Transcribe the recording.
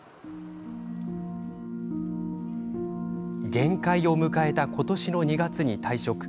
限界を迎えた今年の２月に退職。